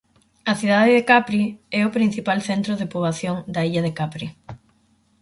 A Cidade de Capri é o principal centro de poboación da illa de Capri.